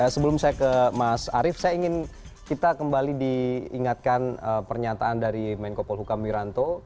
sebelum saya ke mas arief saya ingin kita kembali diingatkan pernyataan dari menko polhukam wiranto